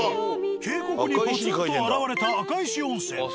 渓谷にポツンと現れた赤石温泉。